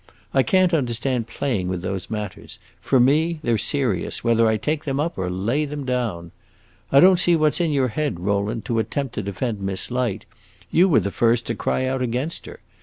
I can't understand playing with those matters; for me they 're serious, whether I take them up or lay them down. I don't see what 's in your head, Rowland, to attempt to defend Miss Light; you were the first to cry out against her!